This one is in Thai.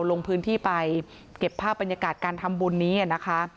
ลงพื้นที่ไปเก็บภาพบรรยากาศการทำบุญนี้นะคะ